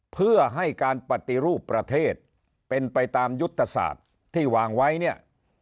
เพื่อให้การปฏิรูปประเทศเป็นไปตามยุทธศาสตร์ที่วางไว้เนี่ย